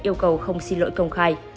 yêu cầu không xin lỗi công khai